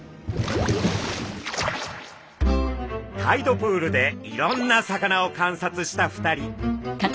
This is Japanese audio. タイドプールでいろんな魚を観察した２人。